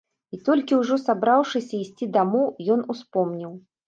І толькі ўжо сабраўшыся ісці дамоў, ён успомніў.